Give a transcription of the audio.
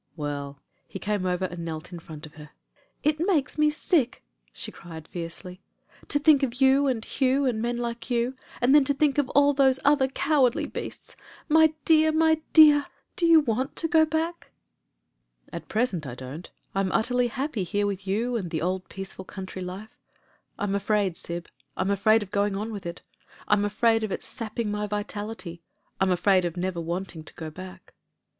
"Well " he came over and knelt in front of her. "It makes me sick," she cried fiercely, "to think of you and Hugh and men like you — ^and then to think of all these other cowardly beasts. My dear, my dear do you zvant to go back?" 249 250 MEN, WOMEN AND GUNS "At present, I don't I'm utterly happy here with you, and the old peaceful country life. I'm afraid, Syb— I'm afraid of going on with it I'm afraid of its sapping my vitality — I'm afraid of never wanting to go back."